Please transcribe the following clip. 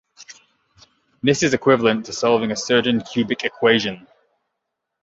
This is equivalent to solving a certain cubic equation.